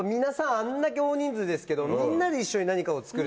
あんだけ大人数ですけど。